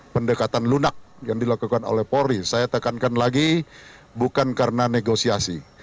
pendekatan lunak yang dilakukan oleh polri saya tekankan lagi bukan karena negosiasi